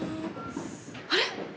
あれ？